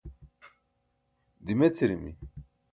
dimecirimi